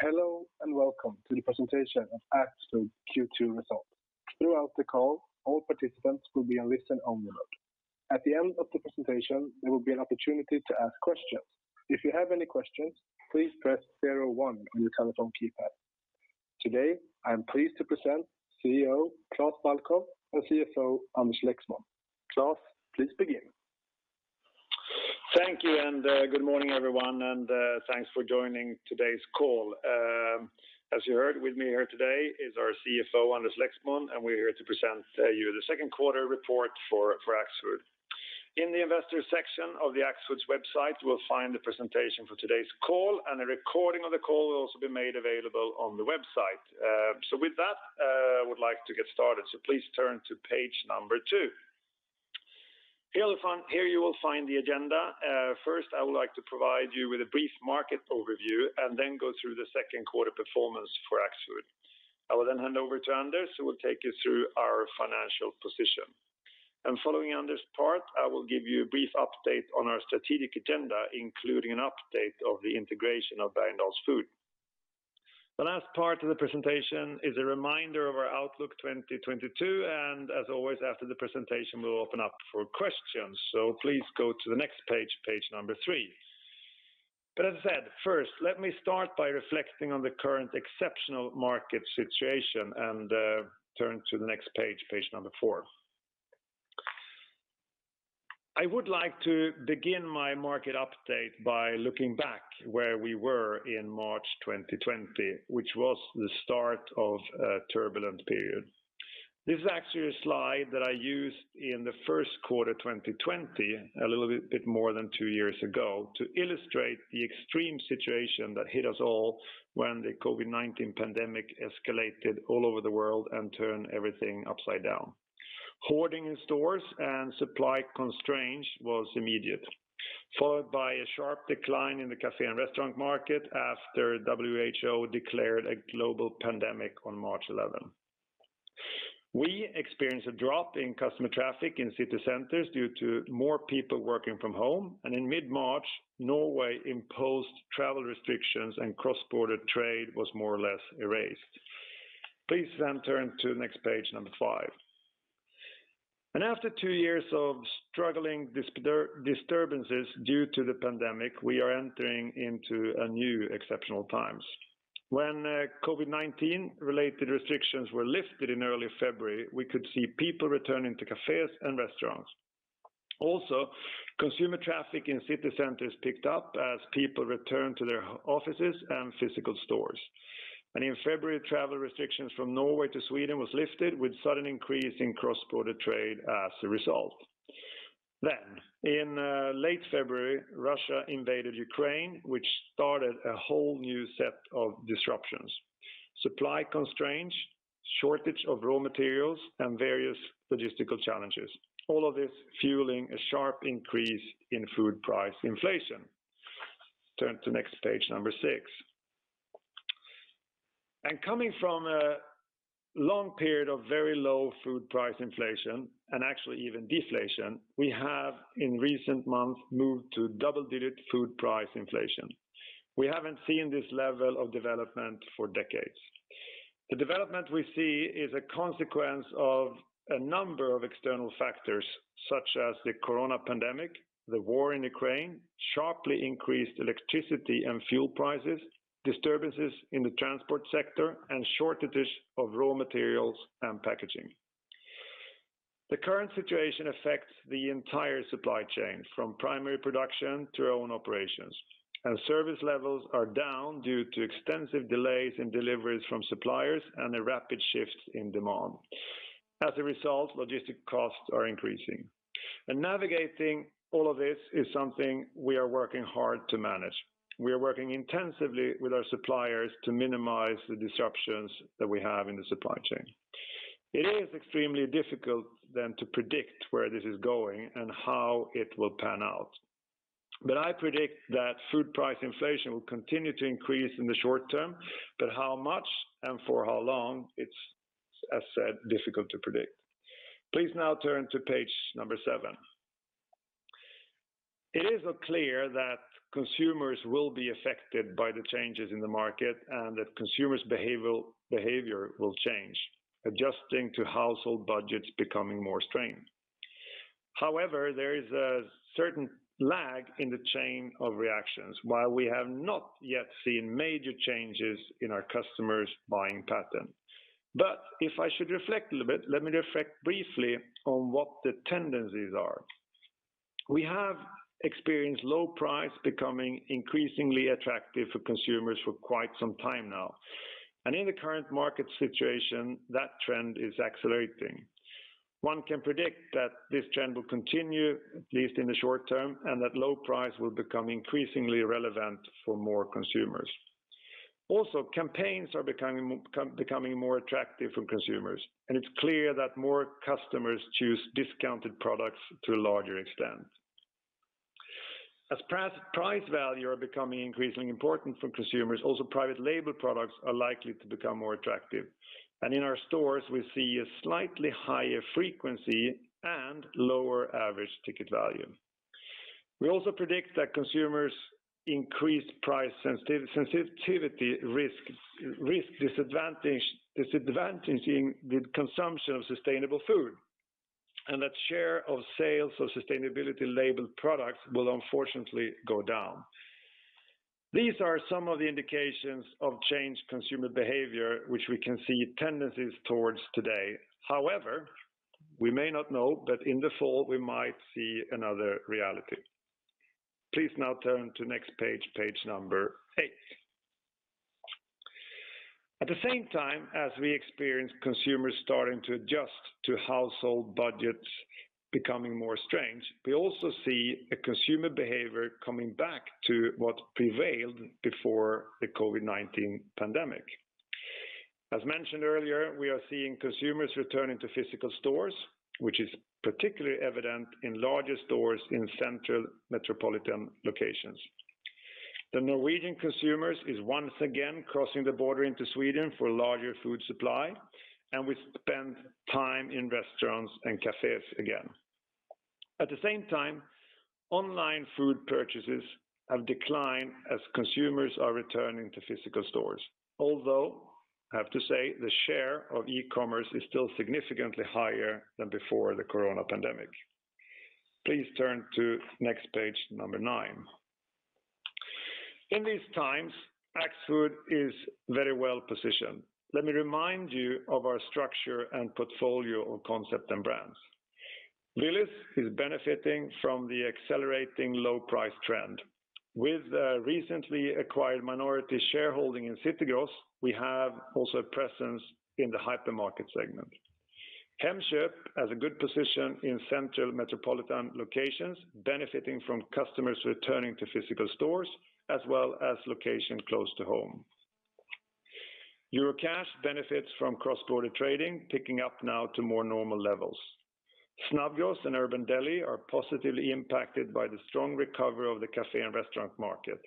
Hello and welcome to the presentation of Axfood Q2 results. Throughout the call, all participants will be on listen-only mode. At the end of the presentation, there will be an opportunity to ask questions. If you have any questions, please press zero one on your telephone keypad. Today, I am pleased to present CEO, Klas Balkow, and CFO, Anders Lexmon. Klas, please begin. Thank you, and good morning, everyone, and thanks for joining today's call. As you heard, with me here today is our CFO, Anders Lexmon, and we're here to present you the second quarter report for Axfood. In the investor section of Axfood's website, you will find the presentation for today's call, and a recording of the call will also be made available on the website. With that, I would like to get started, so please turn to page number two. Here you will find the agenda. First, I would like to provide you with a brief market overview and then go through the second quarter performance for Axfood. I will then hand over to Anders, who will take you through our financial position. Following Anders' part, I will give you a brief update on our strategic agenda, including an update of the integration of Bergendahls Food. The last part of the presentation is a reminder of our Outlook 2022, and as always, after the presentation, we'll open up for questions. Please go to the next page number three. As I said, first, let me start by reflecting on the current exceptional market situation and, turn to the next page number four. I would like to begin my market update by looking back where we were in March 2020, which was the start of a turbulent period. This is actually a slide that I used in the first quarter 2020, a little bit more than two years ago, to illustrate the extreme situation that hit us all when the COVID-19 pandemic escalated all over the world and turned everything upside down. Hoarding in stores and supply constraints was immediate, followed by a sharp decline in the café and restaurant market after WHO declared a global pandemic on March 11th. We experienced a drop in customer traffic in city centers due to more people working from home. In mid-March, Norway imposed travel restrictions and cross-border trade was more or less erased. Please then turn to the next page, number five. After two years of struggling disturbances due to the pandemic, we are entering into a new exceptional times. When COVID-19-related restrictions were lifted in early February, we could see people returning to cafés and restaurants. Also, consumer traffic in city centers picked up as people returned to their offices and physical stores. In February, travel restrictions from Norway to Sweden was lifted with sudden increase in cross-border trade as a result. In late February, Russia invaded Ukraine, which started a whole new set of disruptions, supply constraints, shortage of raw materials, and various logistical challenges. All of this fueling a sharp increase in food price inflation. Turn to next page, number six. Coming from a long period of very low food price inflation, and actually even deflation, we have, in recent months, moved to double-digit food price inflation. We haven't seen this level of development for decades. The development we see is a consequence of a number of external factors, such as the COVID-19 pandemic, the war in Ukraine, sharply increased electricity and fuel prices, disturbances in the transport sector, and shortages of raw materials and packaging. The current situation affects the entire supply chain, from primary production to our own operations. Service levels are down due to extensive delays in deliveries from suppliers and a rapid shift in demand. As a result, logistics costs are increasing. Navigating all of this is something we are working hard to manage. We are working intensively with our suppliers to minimize the disruptions that we have in the supply chain. It is extremely difficult then to predict where this is going and how it will pan out. I predict that food price inflation will continue to increase in the short term, but how much and for how long, it's, as said, difficult to predict. Please now turn to page number seven. It is clear that consumers will be affected by the changes in the market and that consumers' behavior will change, adjusting to household budgets becoming more strained. However, there is a certain lag in the chain of reactions while we have not yet seen major changes in our customers' buying pattern. If I should reflect a little bit, let me reflect briefly on what the tendencies are. We have experienced low price becoming increasingly attractive for consumers for quite some time now. In the current market situation, that trend is accelerating. One can predict that this trend will continue, at least in the short term, and that low price will become increasingly relevant for more consumers. Also, campaigns are becoming more attractive for consumers, and it's clear that more customers choose discounted products to a larger extent. As price value are becoming increasingly important for consumers, also private label products are likely to become more attractive. In our stores, we see a slightly higher frequency and lower average ticket value. We also predict that consumers increased price sensitivity risk disadvantaging the consumption of sustainable food, and that share of sales of sustainability labeled products will unfortunately go down. These are some of the indications of changed consumer behavior, which we can see tendencies towards today. However, we may not know that in the fall, we might see another reality. Please now turn to next page number eight. At the same time, as we experience consumers starting to adjust to household budgets becoming more strained, we also see a consumer behavior coming back to what prevailed before the COVID-19 pandemic. As mentioned earlier, we are seeing consumers returning to physical stores, which is particularly evident in larger stores in central metropolitan locations. The Norwegian consumers is once again crossing the border into Sweden for larger food supply, and we spend time in restaurants and cafés again. At the same time, online food purchases have declined as consumers are returning to physical stores. Although, I have to say, the share of e-commerce is still significantly higher than before the corona pandemic. Please turn to next page, number nine. In these times, Axfood is very well-positioned. Let me remind you of our structure and portfolio of concept and brands. Willys is benefiting from the accelerating low price trend. With the recently acquired minority shareholding in City Gross, we have also presence in the hypermarket segment. Hemköp has a good position in central metropolitan locations, benefiting from customers returning to physical stores, as well as location close to home. Eurocash benefits from cross-border trading, picking up now to more normal levels. Snabbgross and Urban Deli are positively impacted by the strong recovery of the café and restaurant market.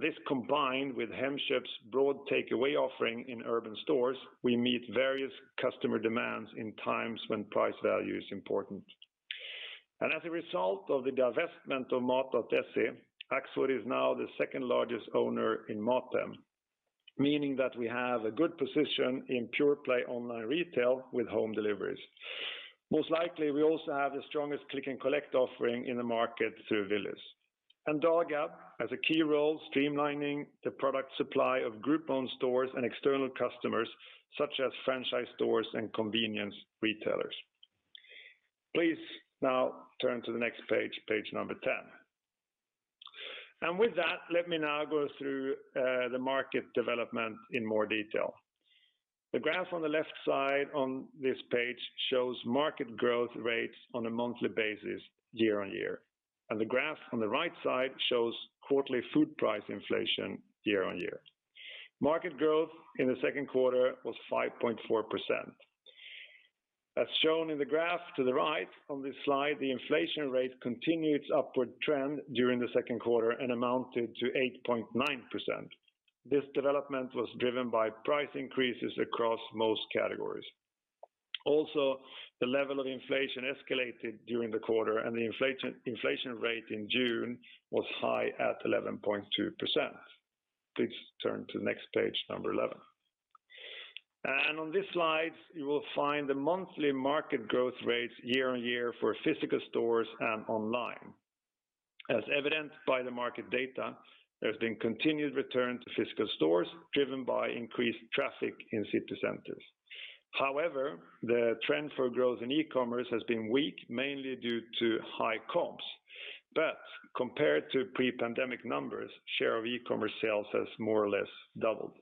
This combined with Hemköp's broad takeaway offering in urban stores, we meet various customer demands in times when price value is important. As a result of the divestment of Mat.se, Axfood is now the second largest owner in Mathem, meaning that we have a good position in pure-play online retail with home deliveries. Most likely, we also have the strongest click and collect offering in the market through Willys. Dagab has a key role streamlining the product supply of group-owned stores and external customers, such as franchise stores and convenience retailers. Please now turn to the next page 10. With that, let me now go through the market development in more detail. The graph on the left side on this page shows market growth rates on a monthly basis year-over-year. The graph on the right side shows quarterly food price inflation year-over-year. Market growth in the second quarter was 5.4%. As shown in the graph to the right on this slide, the inflation rate continued its upward trend during the second quarter and amounted to 8.9%. This development was driven by price increases across most categories. The level of inflation escalated during the quarter and the inflation rate in June was high at 11.2%. Please turn to next page, number 11. On this slide, you will find the monthly market growth rates year-over-year for physical stores and online. As evident by the market data, there's been continued return to physical stores driven by increased traffic in city centers. However, the trend for growth in e-commerce has been weak, mainly due to high comps. Compared to pre-pandemic numbers, share of e-commerce sales has more or less doubled.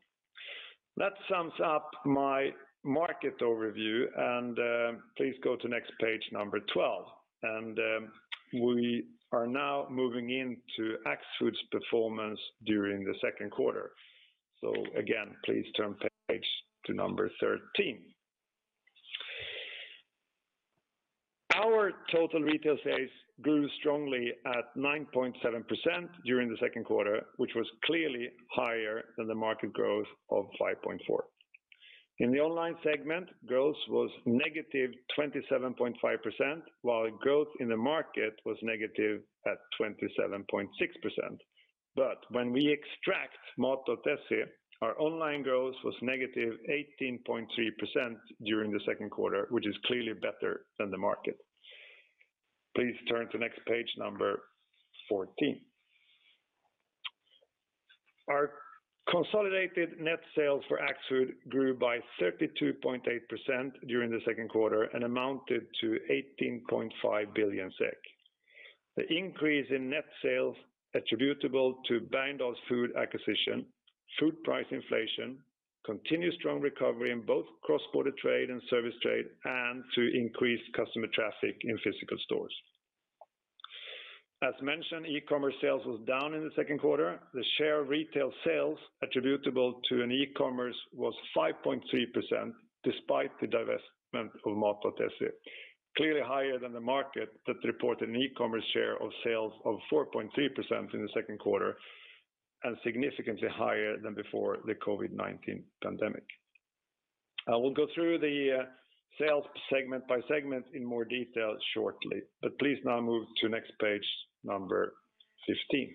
That sums up my market overview. Please go to next page, number 12. We are now moving into Axfood's performance during the second quarter. Again, please turn page to number 13. Our total retail sales grew strongly at 9.7% during the second quarter, which was clearly higher than the market growth of 5.4%. In the online segment, growth was -27.5%, while growth in the market was negative at -27.6%. When we extract Mat.se, our online growth was -18.3% during the second quarter, which is clearly better than the market. Please turn to next page, number 14. Our consolidated net sales for Axfood grew by 32.8% during the second quarter and amounted to 18.5 billion SEK. The increase in net sales attributable to Bergendahls Food acquisition, food price inflation, continued strong recovery in both cross-border trade and service trade, and to increased customer traffic in physical stores. As mentioned, e-commerce sales was down in the second quarter. The share of retail sales attributable to e-commerce was 5.3% despite the divestment of Mat.se. Clearly higher than the market that reported an e-commerce share of sales of 4.3% in the second quarter, and significantly higher than before the COVID-19 pandemic. I will go through the sales segment by segment in more detail shortly, but please now move to next page, 15.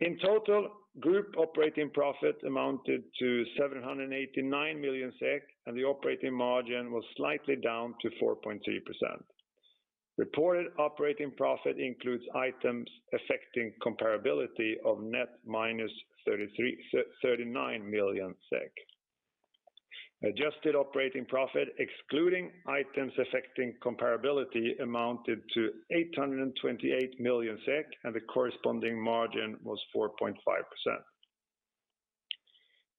In total, group operating profit amounted to 789 million SEK, and the operating margin was slightly down to 4.3%. Reported operating profit includes items affecting comparability of net -39 million SEK. Adjusted operating profit, excluding items affecting comparability, amounted to 828 million SEK, and the corresponding margin was 4.5%.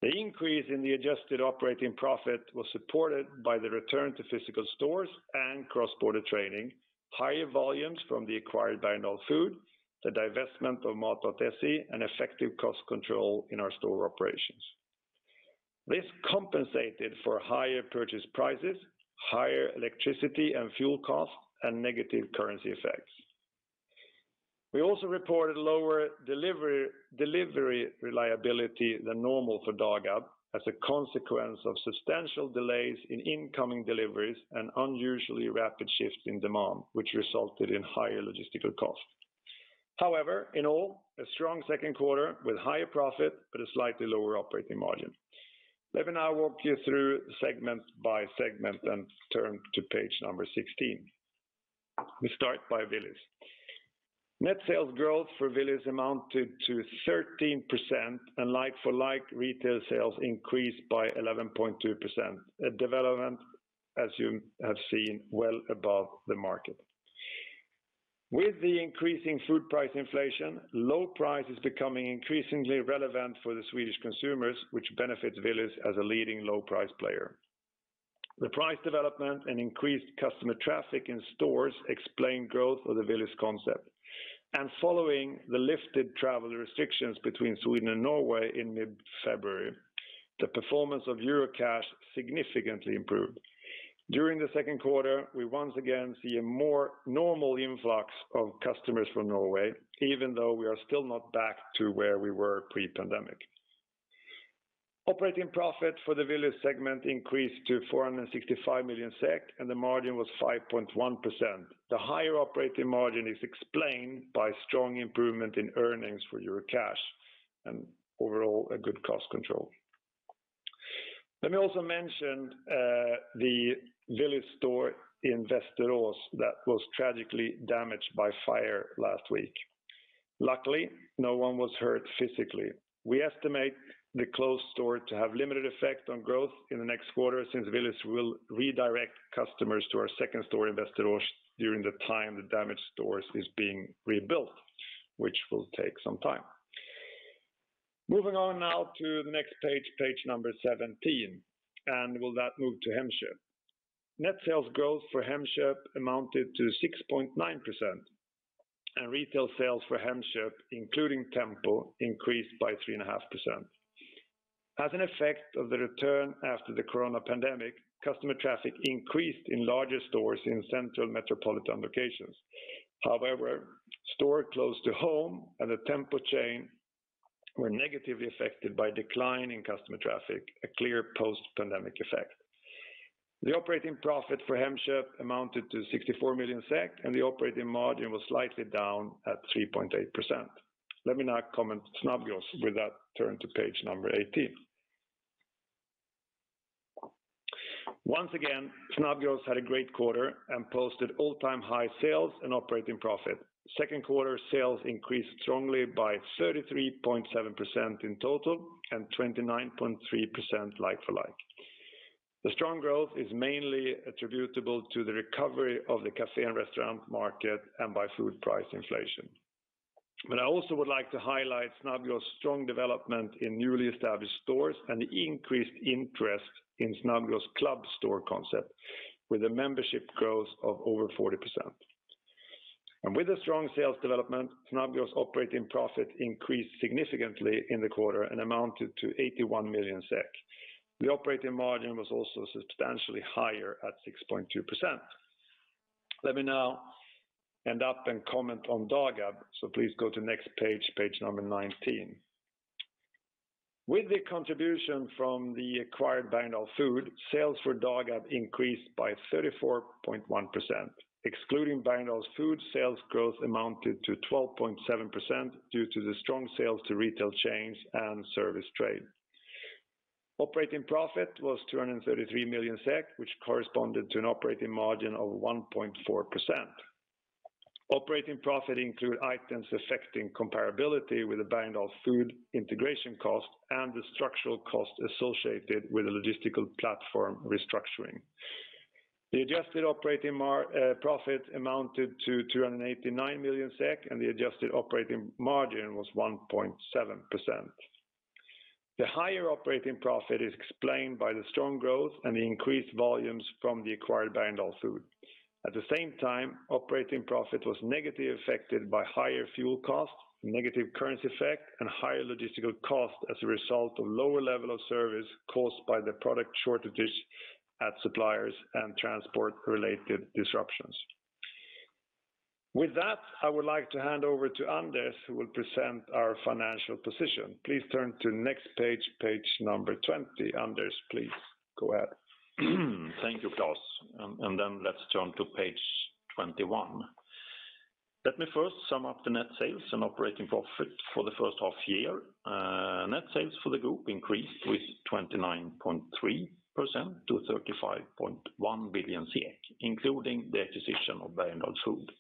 The increase in the adjusted operating profit was supported by the return to physical stores and cross-border trading, higher volumes from the acquired Bergendahls Food, the divestment of Mat.se, and effective cost control in our store operations. This compensated for higher purchase prices, higher electricity and fuel costs, and negative currency effects. We also reported lower delivery reliability than normal for Dagab as a consequence of substantial delays in incoming deliveries and unusually rapid shifts in demand, which resulted in higher logistical costs. However, in all, a strong second quarter with higher profit but a slightly lower operating margin. Let me now walk you through segment by segment and turn to page 16. We start by Willys. Net sales growth for Willys amounted to 13% and like-for-like retail sales increased by 11.2%. A development, as you have seen, well above the market. With the increasing food price inflation, low price is becoming increasingly relevant for the Swedish consumers, which benefits Willys as a leading low price player. The price development and increased customer traffic in stores explain growth of the Willys concept. Following the lifted travel restrictions between Sweden and Norway in mid-February, the performance of Eurocash significantly improved. During the second quarter, we once again see a more normal influx of customers from Norway, even though we are still not back to where we were pre-pandemic. Operating profit for the Willys segment increased to 465 million SEK, and the margin was 5.1%. The higher operating margin is explained by strong improvement in earnings for Eurocash and overall a good cost control. Let me also mention the Willys store in Västerås that was tragically damaged by fire last week. Luckily, no one was hurt physically. We estimate the closed store to have limited effect on growth in the next quarter since Willys will redirect customers to our second store in Västerås during the time the damaged stores is being rebuilt, which will take some time. Moving on now to the next page 17, and with that move to Hemköp. Net sales growth for Hemköp amounted to 6.9%, and retail sales for Hemköp, including Tempo, increased by 3.5%. As an effect of the return after the corona pandemic, customer traffic increased in larger stores in central metropolitan locations. However, stores close to home and the Tempo chain were negatively affected by decline in customer traffic, a clear post-pandemic effect. The operating profit for Hemköp amounted to 64 million SEK, and the operating margin was slightly down at 3.8%. Let me now comment on Snabbgross. With that, turn to page 18. Once again, Snabbgross had a great quarter and posted all-time high sales and operating profit. Second quarter sales increased strongly by 33.7% in total and 29.3% like-for-like. The strong growth is mainly attributable to the recovery of the cafe and restaurant market and by food price inflation. I also would like to highlight Snabbgross' strong development in newly established stores and the increased interest in Snabbgross' club store concept with a membership growth of over 40%. With the strong sales development, Snabbgross' operating profit increased significantly in the quarter and amounted to 81 million SEK. The operating margin was also substantially higher at 6.2%. Let me now wrap up and comment on Dagab, so please go to next page 19. With the contribution from the acquired Bergendahls Food, sales for Dagab increased by 34.1%. Excluding Bergendahls Food's, sales growth amounted to 12.7% due to the strong sales to retail chains and service trade. Operating profit was 233 million SEK, which corresponded to an operating margin of 1.4%. Operating profit include items affecting comparability with the Bergendahls Food integration cost and the structural cost associated with the logistical platform restructuring. The adjusted operating profit amounted to 289 million SEK, and the adjusted operating margin was 1.7%. The higher operating profit is explained by the strong growth and the increased volumes from the acquired Bergendahls Food. At the same time, operating profit was negatively affected by higher fuel costs, negative currency effect, and higher logistical costs as a result of lower level of service caused by the product shortages at suppliers and transport-related disruptions. With that, I would like to hand over to Anders, who will present our financial position. Please turn to next page number 20. Anders, please go ahead. Thank you, Klas. Let's turn to page 21. Let me first sum up the net sales and operating profit for the first half year. Net sales for the group increased with 29.3% to 35.1 billion, including the acquisition of Bergendahls Food.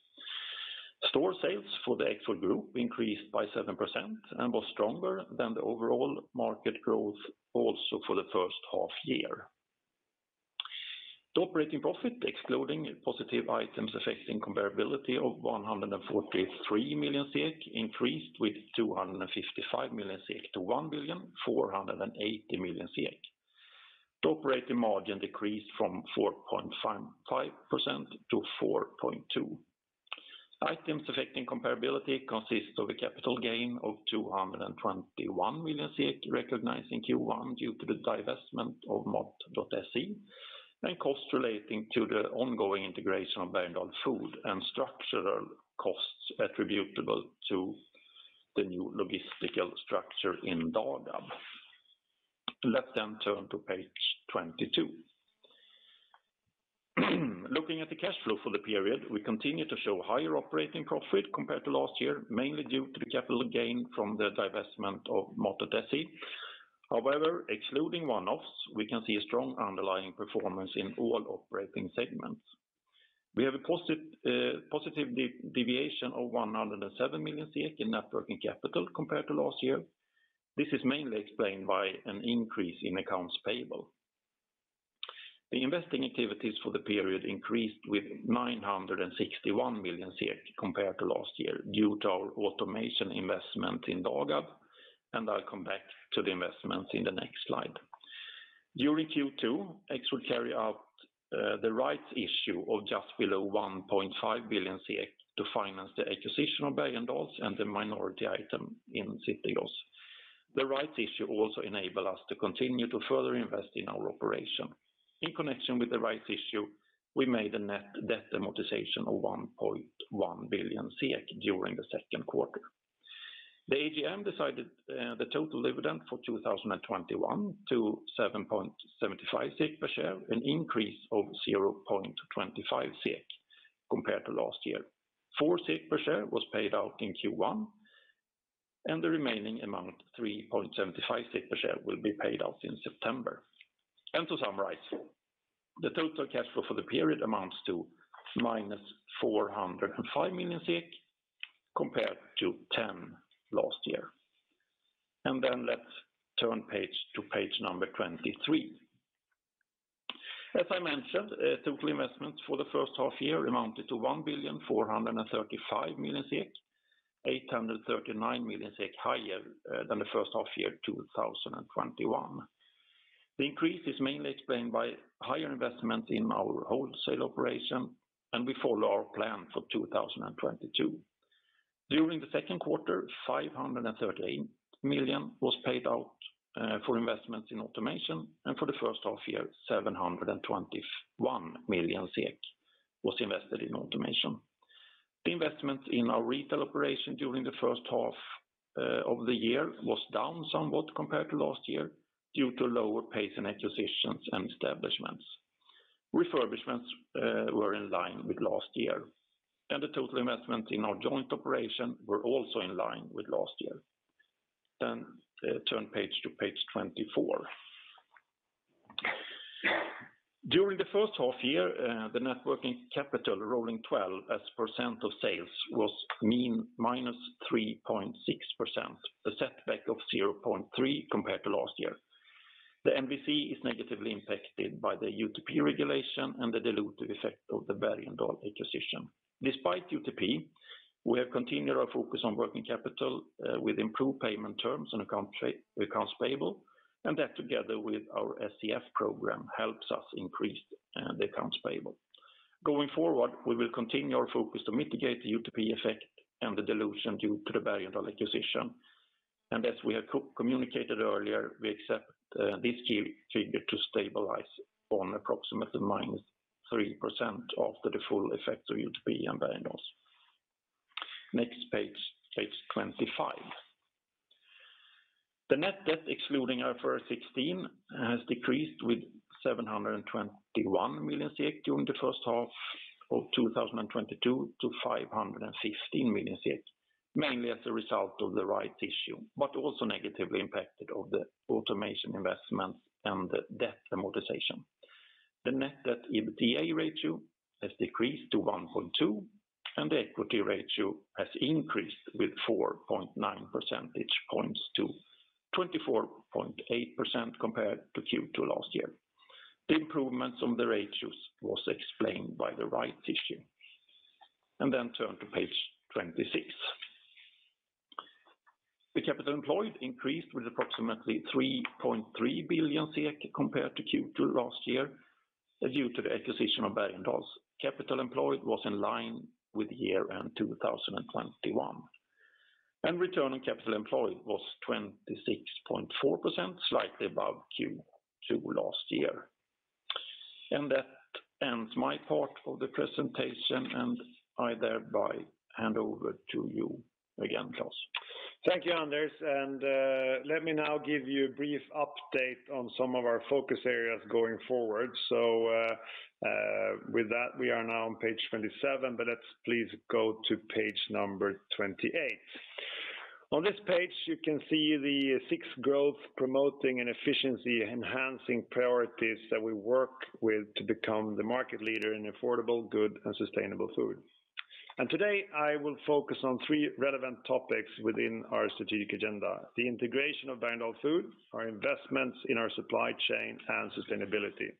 Store sales for the Axfood group increased by 7% and was stronger than the overall market growth also for the first half year. The operating profit, excluding positive items affecting comparability of 143 million SEK increased with 255 million SEK to 1.48 billion. The operating margin decreased from 4.55% to 4.2%. Items affecting comparability consist of a capital gain of 221 million SEK recognizing Q1 due to the divestment of Mat.se and cost relating to the ongoing integration of Bergendahls Food and structural costs attributable to the new logistical structure in Dagab. Let's turn to page 22. Looking at the cash flow for the period, we continue to show higher operating profit compared to last year, mainly due to the capital gain from the divestment of Mat.se. However, excluding one-offs, we can see a strong underlying performance in all operating segments. We have a positive deviation of 107 million in net working capital compared to last year. This is mainly explained by an increase in accounts payable. The investing activities for the period increased with 961 million compared to last year due to our automation investment in Dagab, and I'll come back to the investments in the next slide. During Q2, Axfood carried out the rights issue of just below 1.5 billion to finance the acquisition of Bergendahls Food and the minority stake in City Gross. The rights issue also enabled us to continue to further invest in our operations. In connection with the rights issue, we made a net debt amortization of 1.1 billion SEK during the second quarter. The AGM decided the total dividend for 2021 to 7.75 SEK per share, an increase of 0.25 SEK compared to last year. 4 SEK per share was paid out in Q1, and the remaining amount, 3.75 SEK per share, will be paid out in September. To summarize, the total cash flow for the period amounts to -405 million SEK compared to 10 million last year. Then let's turn page to page number 23. As I mentioned, total investment for the first half year amounted to 1,435 million SEK, 839 million SEK higher than the first half year 2021. The increase is mainly explained by higher investment in our wholesale operation, and we follow our plan for 2022. During the second quarter, 513 million was paid out for investments in automation, and for the first half year, 721 million SEK was invested in automation. The investment in our retail operation during the first half of the year was down somewhat compared to last year due to lower pace in acquisitions and establishments. Refurbishments were in line with last year, and the total investment in our joint operation were also in line with last year. Turn page to page 24. During the first half year, the net working capital rolling twelve as percent of sales was minus 3.6%, a setback of 0.3 compared to last year. The NWC is negatively impacted by the UTP Directive and the dilutive effect of the Bergendahls Food acquisition. Despite UTP, we have continued our focus on working capital with improved payment terms on accounts payable, and that together with our SCF program helps us increase the accounts payable. Going forward, we will continue our focus to mitigate the UTP effect and the dilution due to the Bergendahls Food acquisition. As we have communicated earlier, we accept this key figure to stabilize on approximately -3% after the full effect of UTP and Bergendahls Food. Next page 25. The net debt excluding IFRS 16 has decreased with 721 million SEK during the first half of 2022 to 515 million SEK, mainly as a result of the rights issue, but also negatively impacted by the automation investment and the debt amortization. The net debt EBITDA ratio has decreased to 1.2, and the equity ratio has increased with 4.9 percentage points to 24.8% compared to Q2 last year. The improvements on the ratios was explained by the rights issue. Turn to page 26. The capital employed increased with approximately 3.3 billion compared to Q2 last year due to the acquisition of Bergendahls Food. Capital employed was in line with year-end 2021. Return on capital employed was 26.4%, slightly above Q2 last year. That ends my part of the presentation, and I thereby hand over to you again, Klas. Thank you, Anders, and let me now give you a brief update on some of our focus areas going forward. With that, we are now on page 27, but let's please go to page number 28. On this page, you can see the six growth-promoting and efficiency-enhancing priorities that we work with to become the market leader in affordable, good, and sustainable food. Today, I will focus on three relevant topics within our strategic agenda. The integration of Bergendahls Food, our investments in our supply chain, and sustainability.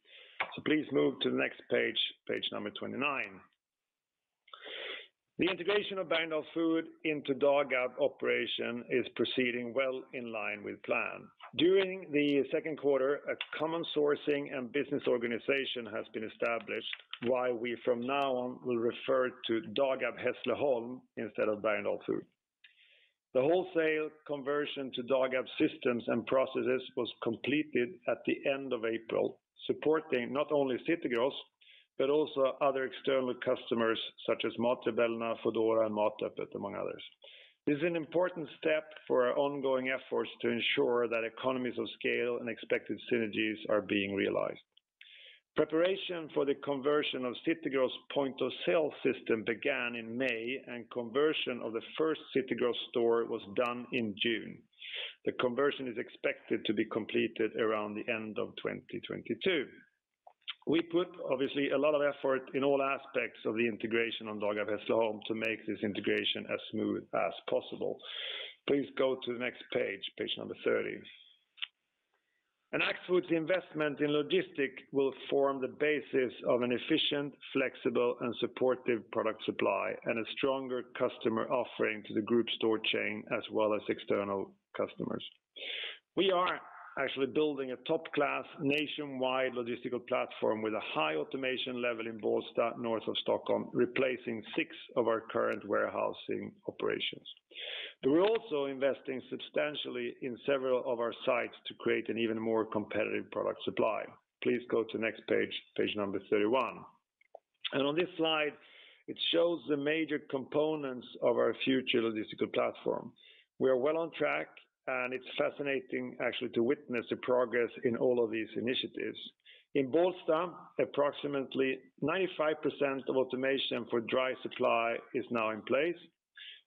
Please move to the next page number 29. The integration of Bergendahls Food into Dagab operation is proceeding well in line with plan. During the second quarter, a common sourcing and business organization has been established, while we from now on will refer to Dagab Hässleholm instead of Bergendahls Food. The wholesale conversion to Dagab systems and processes was completed at the end of April, supporting not only City Gross but also other external customers, such as Matbörsen, foodora, and Matöppet, among others. This is an important step for our ongoing efforts to ensure that economies of scale and expected synergies are being realized. Preparation for the conversion of City Gross point-of-sale system began in May, and conversion of the first City Gross store was done in June. The conversion is expected to be completed around the end of 2022. We put obviously a lot of effort in all aspects of the integration on Dagab Hässleholm to make this integration as smooth as possible. Please go to the next page number 30. An Axfood investment in logistics will form the basis of an efficient, flexible, and supportive product supply and a stronger customer offering to the group store chain as well as external customers. We are actually building a top-class nationwide logistical platform with a high automation level in Bålsta, north of Stockholm, replacing 6 of our current warehousing operations. We're also investing substantially in several of our sites to create an even more competitive product supply. Please go to next page number 31. On this slide, it shows the major components of our future logistical platform. We are well on track, and it's fascinating actually to witness the progress in all of these initiatives. In Bålsta, approximately 95% of automation for dry supply is now in place.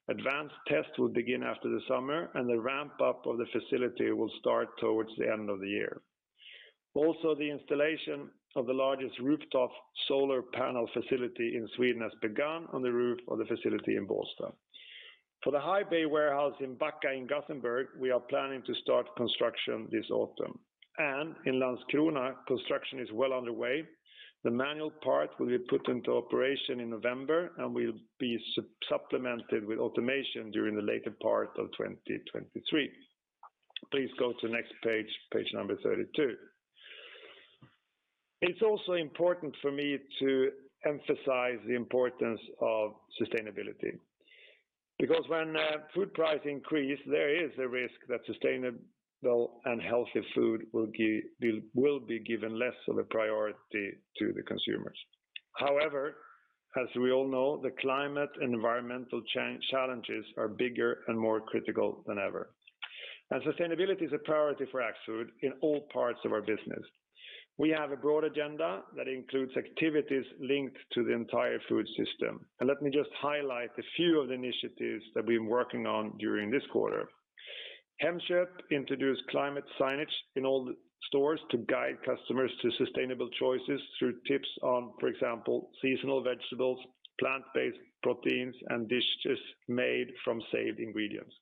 Advanced tests will begin after the summer, and the ramp-up of the facility will start towards the end of the year. Also, the installation of the largest rooftop solar panel facility in Sweden has begun on the roof of the facility in Bålsta. For the high-bay warehouse in Backa in Gothenburg, we are planning to start construction this autumn. In Landskrona, construction is well underway. The manual part will be put into operation in November and will be supplemented with automation during the later part of 2023. Please go to next page number 32. It's also important for me to emphasize the importance of sustainability. Because when food prices increase, there is a risk that sustainable and healthy food will be given less of a priority by the consumers. However, as we all know, the climate and environmental challenges are bigger and more critical than ever. Sustainability is a priority for Axfood in all parts of our business. We have a broad agenda that includes activities linked to the entire food system. Let me just highlight a few of the initiatives that we've been working on during this quarter. Hemköp introduced climate signage in all the stores to guide customers to sustainable choices through tips on, for example, seasonal vegetables, plant-based proteins, and dishes made from saved ingredients.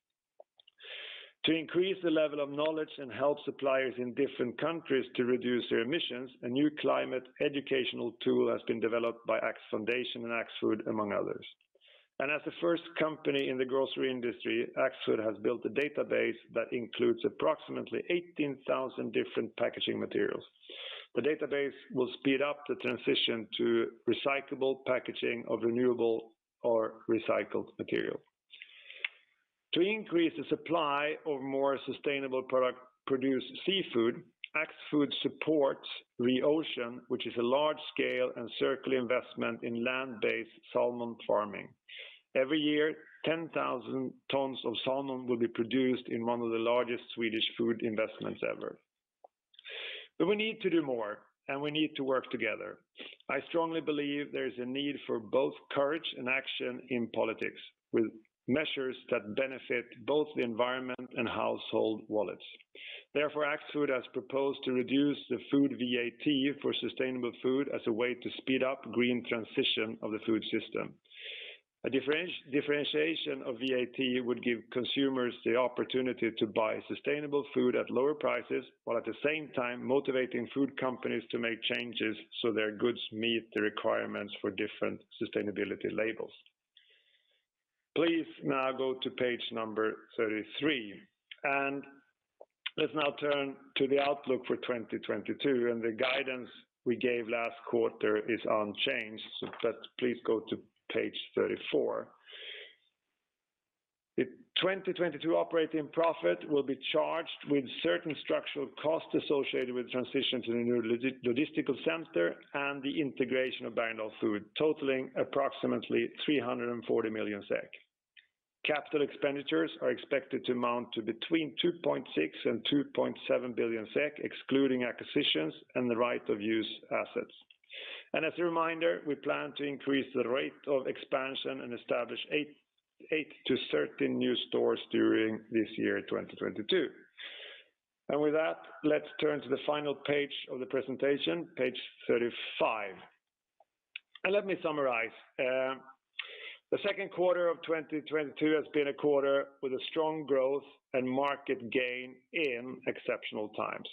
To increase the level of knowledge and help suppliers in different countries to reduce their emissions, a new climate educational tool has been developed by Axfoundation and Axfood, among others. As the first company in the grocery industry, Axfood has built a database that includes approximately 18,000 different packaging materials. The database will speed up the transition to recyclable packaging of renewable or recycled material. To increase the supply of more sustainably produced seafood, Axfood supports Re:Ocean, which is a large-scale and circular investment in land-based salmon farming. Every year, 10,000 tons of salmon will be produced in one of the largest Swedish food investments ever. We need to do more, and we need to work together. I strongly believe there is a need for both courage and action in politics with measures that benefit both the environment and household wallets. Therefore, Axfood has proposed to reduce the food VAT for sustainable food as a way to speed up green transition of the food system. A differentiation of VAT would give consumers the opportunity to buy sustainable food at lower prices, while at the same time motivating food companies to make changes so their goods meet the requirements for different sustainability labels. Please now go to page 33. Let's now turn to the outlook for 2022, and the guidance we gave last quarter is unchanged. Just please go to page 34. The 2022 operating profit will be charged with certain structural costs associated with transition to the new logistical center and the integration of Bergendahls Food, totaling approximately 340 million SEK. Capital expenditures are expected to amount to between 2.6 billion and 2.7 billion SEK, excluding acquisitions and the right of use assets. As a reminder, we plan to increase the rate of expansion and establish eight to 13 new stores during this year, 2022. With that, let's turn to the final page of the presentation, page 35. Let me summarize. The second quarter of 2022 has been a quarter with strong growth and market gain in exceptional times.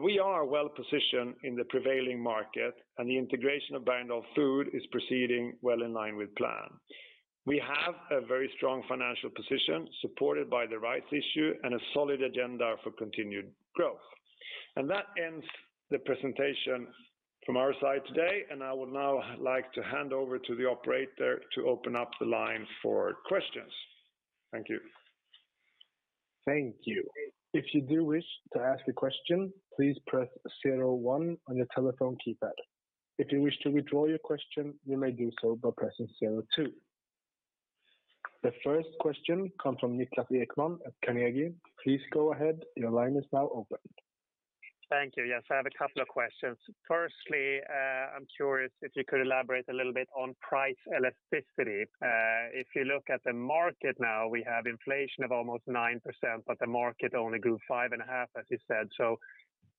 We are well-positioned in the prevailing market, and the integration of Bergendahls Food is proceeding well in line with plan. We have a very strong financial position supported by the rights issue and a solid agenda for continued growth. That ends the presentation from our side today, and I would now like to hand over to the operator to open up the line for questions. Thank you. Thank you. If you do wish to ask a question, please press zero one on your telephone keypad. If you wish to withdraw your question, you may do so by pressing zero two. The first question comes from Niklas Ekman at DNB Carnegie. Please go ahead. Your line is now open. Thank you. Yes, I have a couple of questions. Firstly, I'm curious if you could elaborate a little bit on price elasticity. If you look at the market now, we have inflation of almost 9%, but the market only grew 5.5%, as you said. So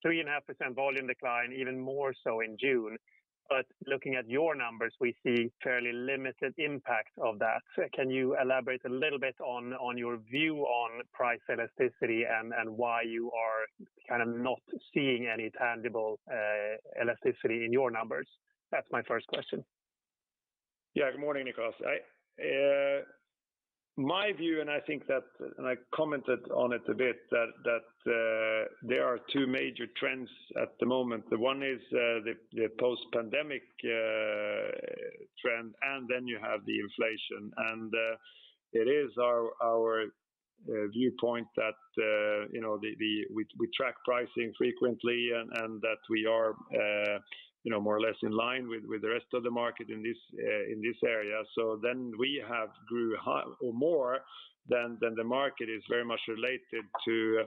3.5% volume decline, even more so in June. But looking at your numbers, we see fairly limited impact of that. Can you elaborate a little bit on your view on price elasticity and why you are kind of not seeing any tangible elasticity in your numbers? That's my first question. Yeah, good morning, Niklas. My view, I think that I commented on it a bit that there are two major trends at the moment. One is the post-pandemic trend, and then you have the inflation. It is our viewpoint that you know. We track pricing frequently and that we are you know more or less in line with the rest of the market in this area. Then we have grown higher or more than the market is very much related to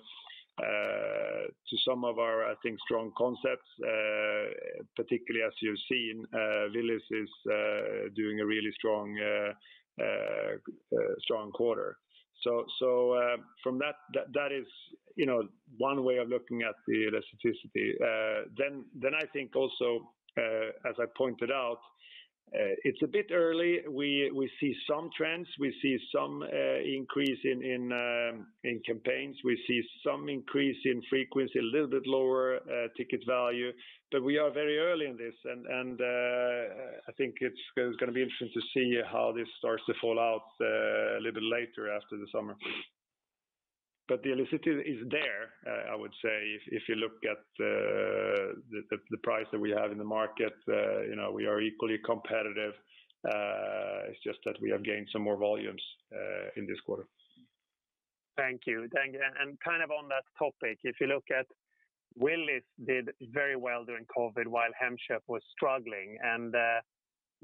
some of our I think strong concepts. Particularly as you've seen, Willys is doing a really strong quarter. From that is you know one way of looking at the elasticity. I think also, as I pointed out, it's a bit early. We see some trends, some increase in campaigns. We see some increase in frequency, a little bit lower ticket value. We are very early in this and I think it's gonna be interesting to see how this starts to play out a little later after the summer. The elasticity is there, I would say, if you look at the price that we have in the market, you know, we are equally competitive. It's just that we have gained some more volumes in this quarter. Thank you. Thank you. Kind of on that topic, if you look at Willys did very well during COVID, while Hemköp was struggling.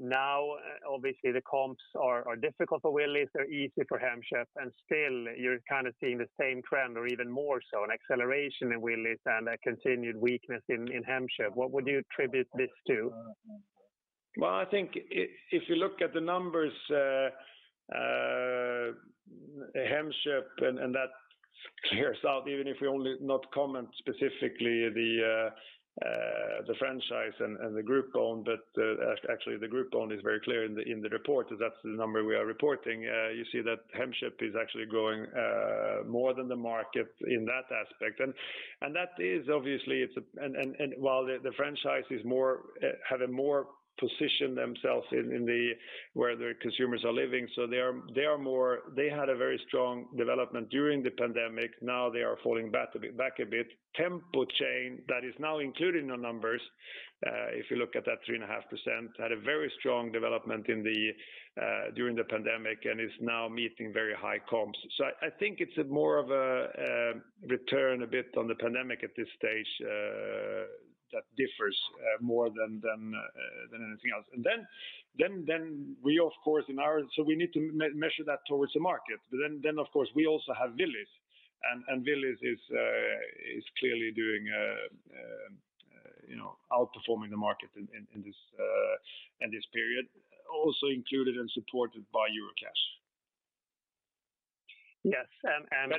Now obviously the comps are difficult for Willys, they're easy for Hemköp, and still you're kind of seeing the same trend or even more so, an acceleration in Willys and a continued weakness in Hemköp. What would you attribute this to? Well, I think if you look at the numbers, Hemköp and that clears it out, even if we do not comment specifically on the franchise and the group owned. Actually the group owned is very clear in the report, that's the number we are reporting. You see that Hemköp is actually growing more than the market in that aspect. That is obviously. While the franchise is more positioned in the areas where their consumers are living, so they are more. They had a very strong development during the pandemic. Now they are falling back a bit. Tempo chain that is now included in our numbers, if you look at that 3.5%, had a very strong development during the pandemic and is now meeting very high comps. I think it's more of a return a bit on the pandemic at this stage that differs more than anything else. Then we need to measure that towards the market. But then of course, we also have Willys. Willys is clearly doing you know outperforming the market in this period, also included and supported by Eurocash. Yes.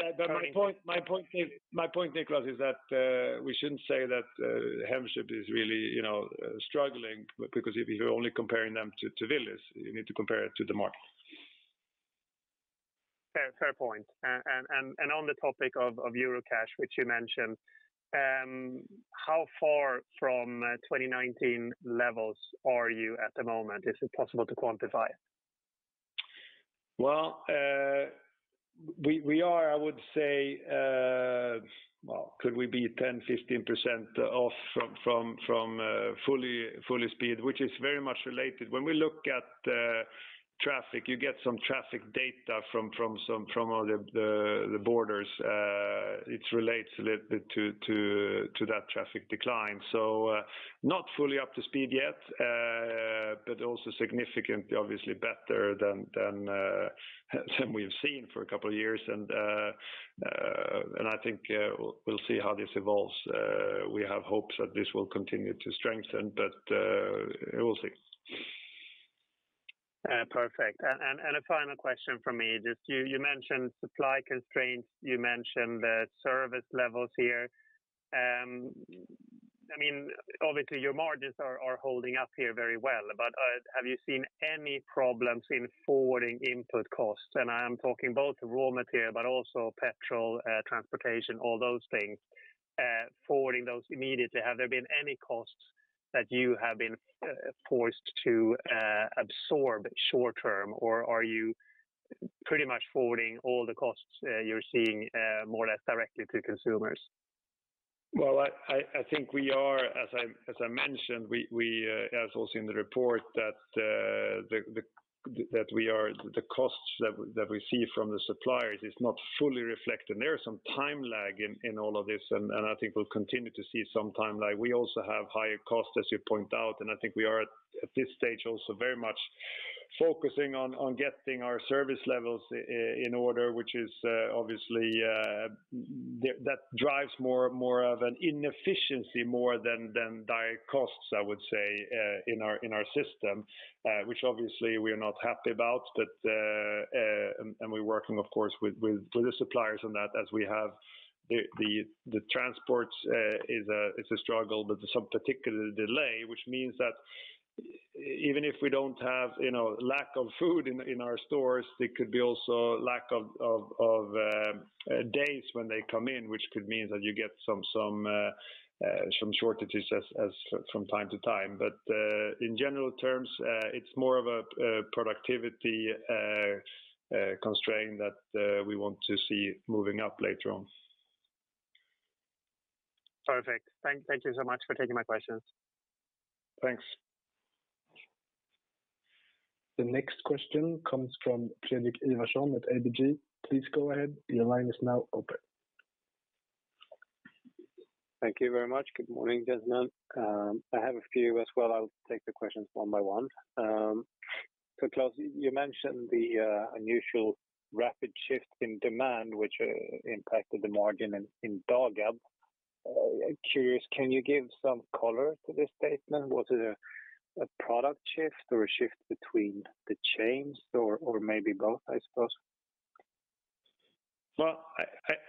My point, Niklas, is that we shouldn't say that Hemköp is really, you know, struggling because if you're only comparing them to Willys, you need to compare it to the market. Fair point. On the topic of Eurocash, which you mentioned, how far from 2019 levels are you at the moment? Is it possible to quantify? Well, we are, I would say, well, could we be 10% to 15% off from full speed, which is very much related. When we look at traffic, you get some traffic data from all the borders. It relates a little bit to that traffic decline. Not fully up to speed yet, but also significantly obviously better than we've seen for a couple of years. I think we'll see how this evolves. We have hopes that this will continue to strengthen, but we will see. Perfect. A final question from me. Just you mentioned supply constraints, you mentioned the service levels here. I mean, obviously your margins are holding up here very well, but have you seen any problems in forwarding input costs? I am talking both raw material, but also petrol, transportation, all those things. Forwarding those immediately, have there been any costs that you have been forced to absorb short-term? Or are you pretty much forwarding all the costs you're seeing more or less directly to consumers? Well, I think we are, as I mentioned, as also in the report that the costs that we see from the suppliers is not fully reflected, and there are some time lag in all of this, and I think we'll continue to see some time lag. We also have higher costs, as you point out, and I think we are at this stage also very much focusing on getting our service levels in order, which is obviously that drives more of an inefficiency than direct costs, I would say, in our system. Which obviously we are not happy about, but we're working of course with the suppliers on that as we have the transports. It's a struggle, but some particular delay, which means that even if we don't have, you know, lack of food in our stores, there could be also lack of days when they come in, which could mean that you get some shortages from time to time. In general terms, it's more of a productivity constraint that we want to see moving up later on. Perfect. Thank you so much for taking my questions. Thanks. The next question comes from Fredrik Ivarsson at ABG Sundal Collier. Please go ahead. Your line is now open. Thank you very much. Good morning, gentlemen. I have a few as well. I'll take the questions one by one. Klas, you mentioned the unusual rapid shift in demand which impacted the margin in Dagab. Curious, can you give some color to this statement? Was it a product shift or a shift between the chains or maybe both, I suppose? Well,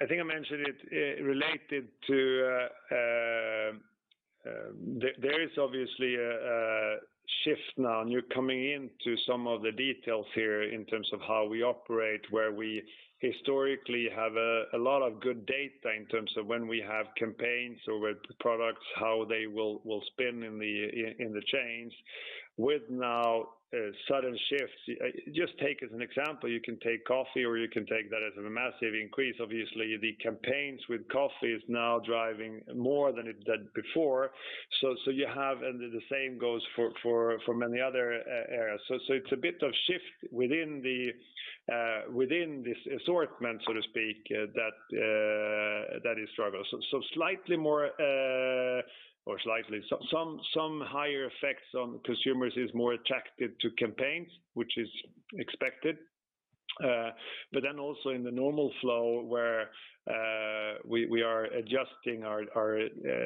I think I mentioned it related to. There is obviously a shift now, and you're coming into some of the details here in terms of how we operate, where we historically have a lot of good data in terms of when we have campaigns or with products, how they will spin in the chains. But now sudden shifts, just take as an example, you can take coffee or you can take that as a massive increase. Obviously, the campaigns with coffee is now driving more than it did before. You have. The same goes for many other areas. It's a bit of shift within this assortment, so to speak, that is struggle. Slightly more or slightly. Some higher effects on consumers are more attracted to campaigns, which is expected. Also in the normal flow where we are adjusting our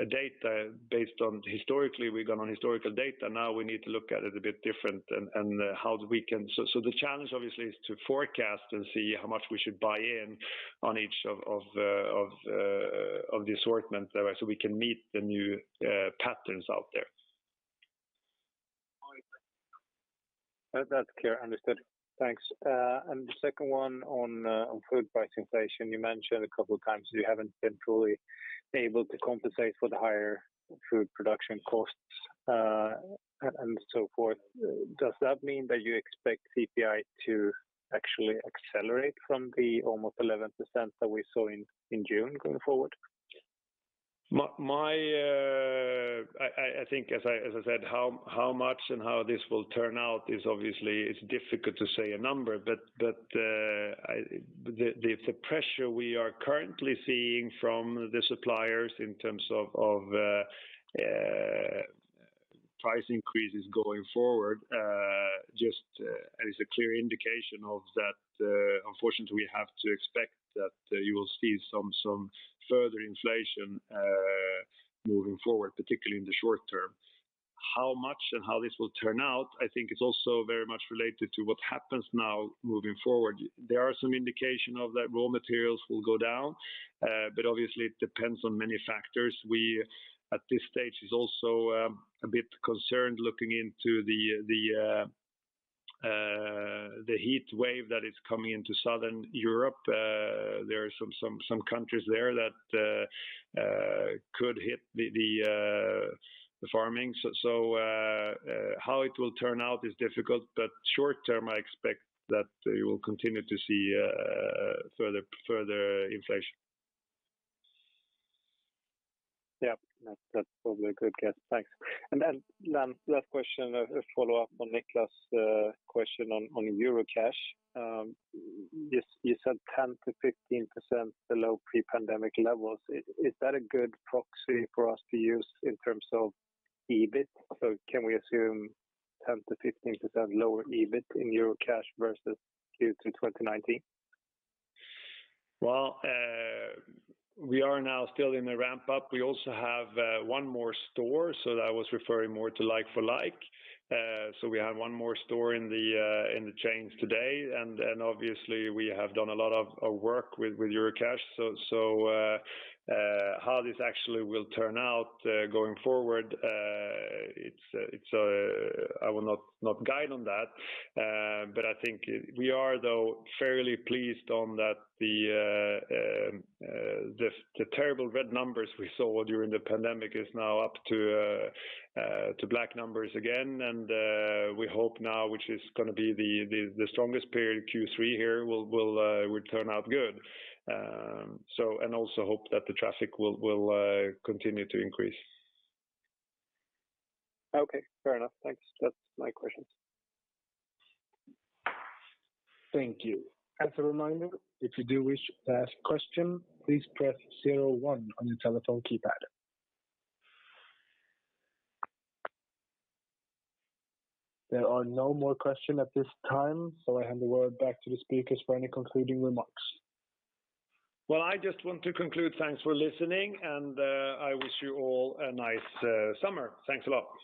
data based on historical, we've gone on historical data. Now we need to look at it a bit different and how we can. The challenge obviously is to forecast and see how much we should buy in on each of the assortment, so we can meet the new patterns out there. That's clear. Understood. Thanks. The second one on food price inflation. You mentioned a couple of times you haven't been fully able to compensate for the higher food production costs, and so forth. Does that mean that you expect CPI to actually accelerate from the almost 11% that we saw in June going forward? I think as I said, how much and how this will turn out is obviously, it's difficult to say a number. The pressure we are currently seeing from the suppliers in terms of price increases going forward just is a clear indication of that. Unfortunately, we have to expect that you will see some further inflation moving forward, particularly in the short term. How much and how this will turn out, I think it's also very much related to what happens now moving forward. There are some indication of that raw materials will go down, but obviously it depends on many factors. We at this stage is also a bit concerned looking into the heat wave that is coming into Southern Europe. There are some countries there that could hit the farming. How it will turn out is difficult, but short term, I expect that we will continue to see further inflation. Yeah. That's probably a good guess. Thanks. Then last question, a follow-up on Niklas' question on Eurocash. You said 10% to 15% below pre-pandemic levels. Is that a good proxy for us to use in terms of EBIT? So can we assume 10% to 15% lower EBIT in Eurocash versus Q2 2019? We are now still in the ramp up. We also have one more store, so that was referring more to like for like. We have one more store in the chains today. Obviously we have done a lot of work with Eurocash. How this actually will turn out going forward, it's. I will not guide on that. I think we are though fairly pleased on that the terrible red numbers we saw during the pandemic is now up to black numbers again. We hope now, which is gonna be the strongest period, Q3 here, will turn out good. hope that the traffic will continue to increase. Okay. Fair enough. Thanks. That's my questions. Thank you. As a reminder, if you do wish to ask a question, please press zero one on your telephone keypad. There are no more questions at this time, so I hand the word back to the speakers for any concluding remarks. Well, I just want to conclude. Thanks for listening, and I wish you all a nice summer. Thanks a lot.